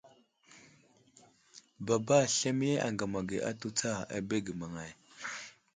Baba slemiye aŋgam atu tsa abege maŋay.